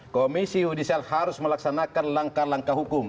komisi yudisial harus melaksanakan langkah langkah hukum